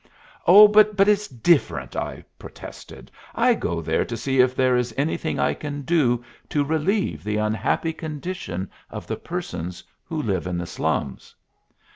"Oh, but it's different," I protested. "I go there to see if there is anything I can do to relieve the unhappy condition of the persons who live in the slums."